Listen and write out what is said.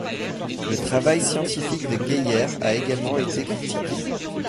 Le travail scientifique de Geier a également été critiqué.